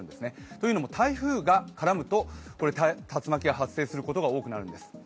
というのも台風が絡むと竜巻が発生することが多くなるんです。